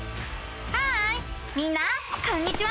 ハーイみんなこんにちは！